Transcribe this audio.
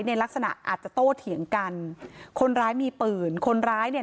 ในลักษณะอาจจะโตเถียงกันคนร้ายมีปืนคนร้ายเนี่ย